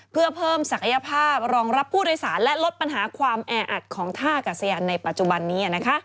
เพื่อเพิ่มศักยภาพรองรับผู้โดยสารและลดปัญหาความแออัดของท่ากัศยานในปัจจุบันนี้